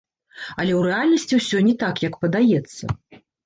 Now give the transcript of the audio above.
Але ў рэальнасці ўсё не так, як падаецца.